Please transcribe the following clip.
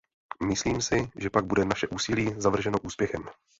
Myslím si, že pak bude naše úsilí završeno úspěchem.